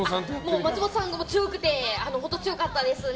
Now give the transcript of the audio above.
松本さんが強くて本当強かったですね。